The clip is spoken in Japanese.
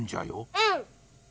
うん。